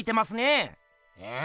ええ？